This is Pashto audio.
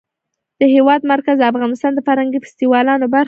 د هېواد مرکز د افغانستان د فرهنګي فستیوالونو برخه ده.